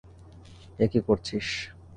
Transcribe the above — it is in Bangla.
এ কি করছিস?